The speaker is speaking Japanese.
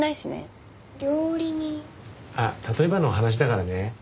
あっ例えばの話だからね。